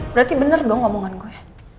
berarti bener dong omongan gue